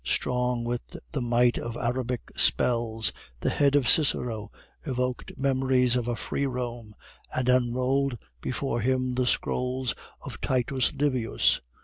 Strong with the might of Arabic spells, the head of Cicero evoked memories of a free Rome, and unrolled before him the scrolls of Titus Livius.